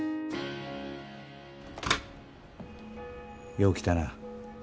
よう来たな。